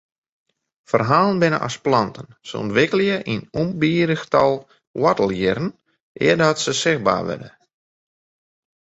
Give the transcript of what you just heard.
Ferhalen binne as planten, se ûntwikkelje in ûnbidich tal woartelhierren eardat se sichtber wurde.